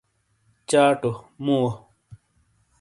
چاٹو مووہ